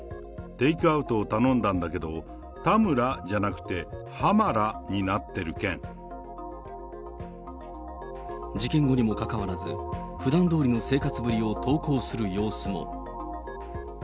テイクアウトを頼んだんだけど、たむらじゃなくて、事件後にもかかわらず、普段どおりの生活ぶりを投稿する様子も。